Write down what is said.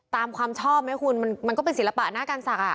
ตามความชอบไหมคุณมันก็เป็นศิลปะหน้าการศักดิ์